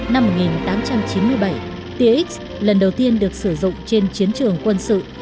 năm một nghìn tám trăm chín mươi bảy tia x lần đầu tiên được sử dụng trên chiến trường quân sự